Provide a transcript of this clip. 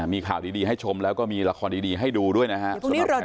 มีข่าวดีให้ชมแล้วก็มีละครดีให้ดูด้วยนะครับ